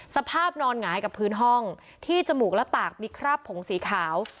สภาพนอนหงายกับพื้นห้องที่จมูกและปากมีคราบผงสีขาว